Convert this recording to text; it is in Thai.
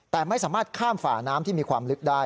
แต่ไม่สามารถข้ามฝ่าน้ำที่มีความลึกได้